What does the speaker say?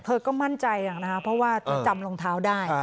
เธอก็มั่นใจนะคะเพราะว่าเธอจำรองเท้าได้